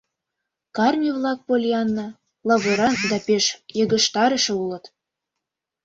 Карме-влак, Поллианна, лавыран да пеш йыгыжтарыше улыт.